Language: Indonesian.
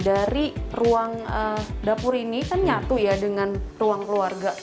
dari ruang dapur ini kan nyatu ya dengan ruang keluarga